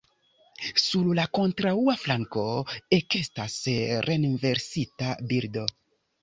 Sur la kontraŭa flanko ekestas renversita bildo.